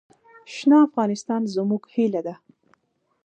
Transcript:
شنه افغانستان زموږ هیله ده.